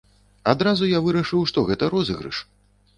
Адразу я вырашыў, што гэта розыгрыш.